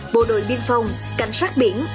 bộ đội biên phòng cảnh sát biển